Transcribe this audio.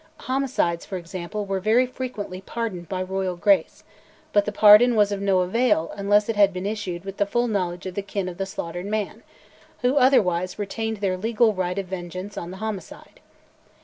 Homicides, for example, were very frequently pardoned by Royal grace, but "the pardon was of no avail unless it had been issued with the full knowledge of the kin of the slaughtered man, who otherwise retained their legal right of vengeance on the homicide."